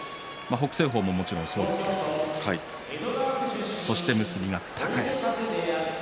北青鵬ももちろんそうですがそして結びが高安。